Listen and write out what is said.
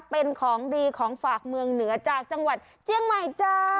เป็นของดีของฝากเมืองเหนือจากจังหวัดเจียงใหม่จ้า